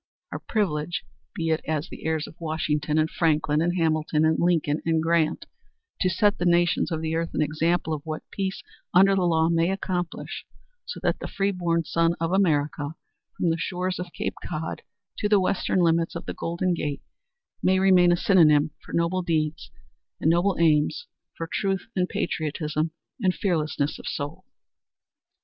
Our privilege be it as the heirs of Washington and Franklin and Hamilton and Lincoln and Grant to set the nations of the earth an example of what peace under the law may accomplish, so that the free born son of America from the shores of Cape Cod to the western limits of the Golden Gate may remain a synonym for noble aims and noble deeds, for truth and patriotism and fearlessness of soul."